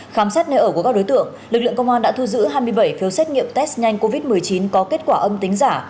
khám xét nơi ở của các đối tượng lực lượng công an đã thu giữ hai mươi bảy phiếu xét nghiệm test nhanh covid một mươi chín có kết quả âm tính giả